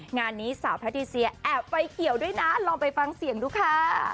งานนี้สาวแพทิเซียแอบไฟเขียวด้วยนะลองไปฟังเสียงดูค่ะ